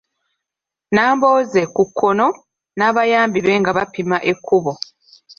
Nambooze (ku kkono) n’abayambi be nga bapima ekkubo.